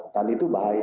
dan itu bahaya